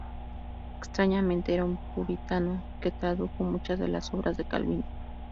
Extrañamente, era un puritano que tradujo muchas de las obras de Calvino.